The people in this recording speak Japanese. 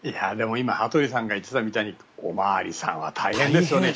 今、羽鳥さんが言っていたみたいにお巡りさんは大変ですよね。